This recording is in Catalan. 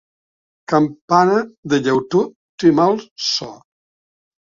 Campana de llautó té mal so.